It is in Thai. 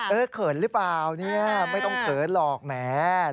เขินหรือเปล่าเนี่ยไม่ต้องเขินหรอกแหม